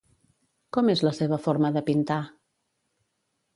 Com és la seva forma de pintar?